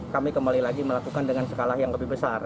kami kembali lagi melakukan dengan skala yang lebih besar